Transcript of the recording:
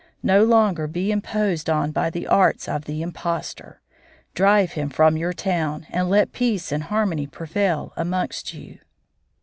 No longer be imposed on by the arts of the impostor. Drive him from your town and let peace and harmony prevail amongst you."